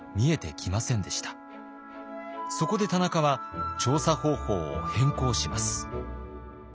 そこで田中は調査方法を変更します。